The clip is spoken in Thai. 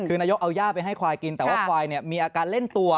คือนายกเอาย่าไปให้ควายกินแต่ว่าควายเนี่ยมีอาการเล่นตัว